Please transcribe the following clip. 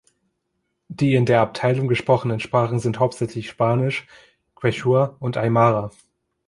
Die in der Abteilung gesprochenen Sprachen sind hauptsächlich Spanisch, Quechua und Aymara.